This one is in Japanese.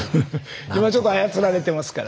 今ちょっと操られてますから。